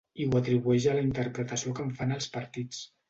I ho atribueix a la interpretació que en fan els partits.